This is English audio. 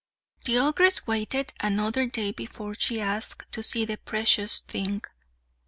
The ogress waited another day before she asked to see the precious thing.